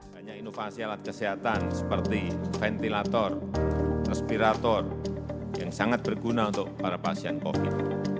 banyak inovasi alat kesehatan seperti ventilator respirator yang sangat berguna untuk para pasien covid